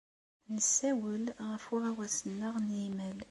Nessawel ɣef uɣawas-nneɣ n yimal.